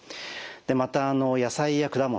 また野菜や果物ですね。